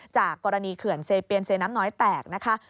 จากกรณีเขื่อนเซเปียนเซน้ำน้อยแตกนะคะ